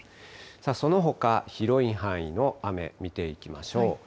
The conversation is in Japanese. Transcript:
そのほか、広い範囲の雨、見ていきましょう。